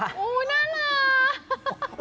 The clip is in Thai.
อุ๊ยน่ารัก